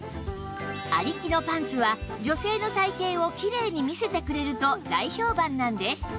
有木のパンツは女性の体形をきれいに見せてくれると大評判なんです